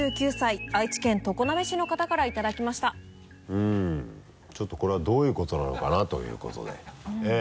うんちょっとこれはどういうことなのかなということで。